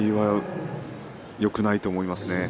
よくないと思いますね。